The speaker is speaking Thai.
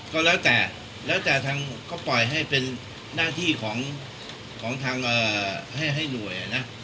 ก็แล้วแต่แล้วแต่ทางก็ปล่อยให้เป็นหน้าที่ของทางให้หน่วยนะ